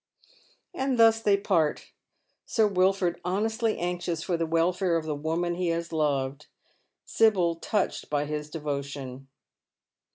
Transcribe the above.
And thus they part. Sir Wilford honestly anxious for the welfare of the woman ho has loved, Sibyl touched by his de votion.